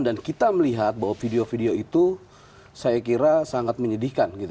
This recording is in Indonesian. dan kita melihat bahwa video video itu saya kira sangat menyedihkan